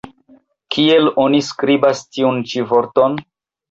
Kiel oni skribas tiun ĉi vorton?